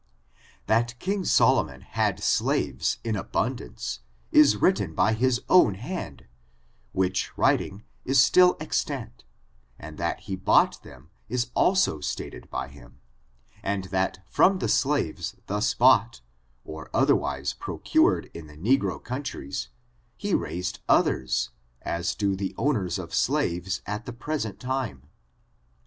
That king Solomon had slaves in abundance, is written by his own hand, which writing is still ex tant, and that he bought them is also stated by him, and that from the slaves thus bought, or otherwise procured in the negro countries, he raised others, as ^o the owners of slaves at the present time.